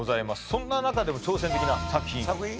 そんな中でも挑戦的な作品作品？